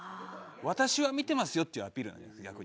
私は見てますよっていうアピールなんじゃないですか？